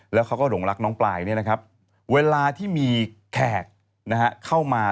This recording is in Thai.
แล้วเขาก็หลงรักน้องปลายเนี่ยนะครับเวลาที่มีแขกเข้ามา